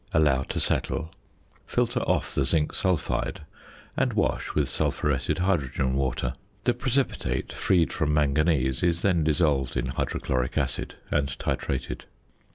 Allow to settle, filter off the zinc sulphide and wash with sulphuretted hydrogen water. The precipitate, freed from manganese, is then dissolved in hydrochloric acid and titrated.